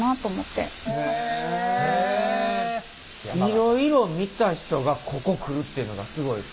いろいろ見た人がここ来るっていうのがすごいですね。